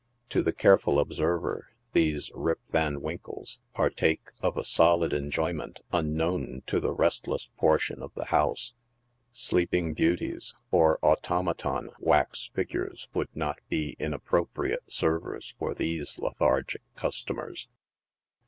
To the careful observer, these Rip Van Winkle;? partake of a solid enjoyment unknown to the restless portion of the house. Sleeping beauties, or automaton wax figures would not bo inappropriate servers for these lethargic customers.